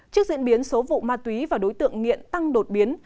trước diễn biến số vụ ma túy và đối tượng nghiện tăng đột biến